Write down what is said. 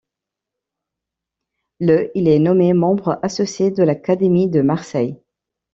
Le il est nommé membre associé de l'Académie de Marseille.